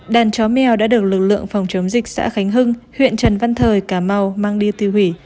đàn chó mèo đã được lực lượng phòng chống dịch xã khánh hưng huyện trần văn thời cà mau mang đi tiêu hủy